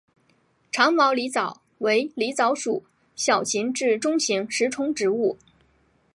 长毛狸藻为狸藻属小型至中型食虫植物。